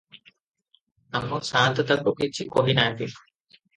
ଆମ ସାଆନ୍ତ ତାକୁ କିଛି କହିନାହାନ୍ତି ।